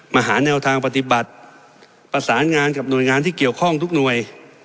หาแนวทางปฏิบัติประสานงานกับหน่วยงานที่เกี่ยวข้องทุกหน่วย